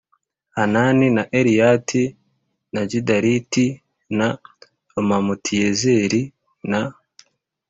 Hanani na Eliyata na Gidaliti na Romamutiyezeri na